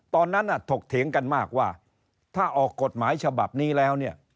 ถกเถียงกันมากว่าถ้าออกกฎหมายฉบับนี้แล้วเนี่ย